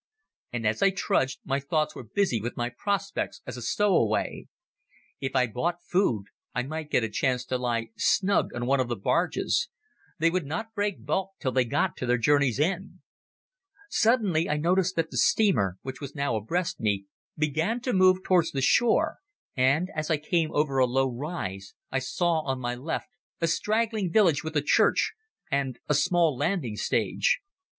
And as I trudged, my thoughts were busy with my prospects as a stowaway. If I bought food, I might get a chance to lie snug on one of the barges. They would not break bulk till they got to their journey's end. Suddenly I noticed that the steamer, which was now abreast me, began to move towards the shore, and as I came over a low rise, I saw on my left a straggling village with a church, and a small landing stage.